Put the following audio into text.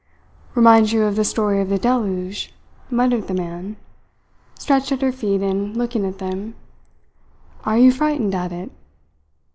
"Reminds you of the story of the deluge," muttered the man, stretched at her feet and looking at them. "Are you frightened at it?"